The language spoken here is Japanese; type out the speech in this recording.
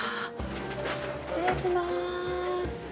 ◆失礼します。